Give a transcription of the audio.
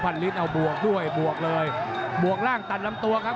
ลิศเอาบวกด้วยบวกเลยบวกล่างตัดลำตัวครับ